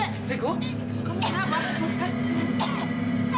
istriku kamu gak makan